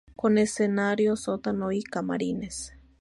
Con escenario, sótano y camarines.